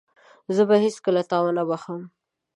زه به هيڅکله تا ونه بخښم.